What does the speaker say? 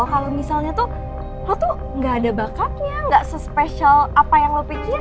kalau misalnya tuh lo tuh gak ada bakatnya gak sespecial apa yang lo pikirin